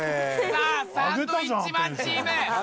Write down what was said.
さあサンドウィッチマンチーム